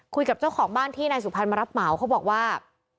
คุยกับเจ้าของบ้านที่นายสุพรรณมารับเหมาเขาบอกว่า